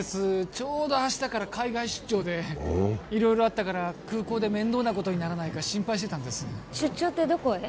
ちょうど明日から海外出張でほお色々あったから空港で面倒なことにならないか心配してたんです出張ってどこへ？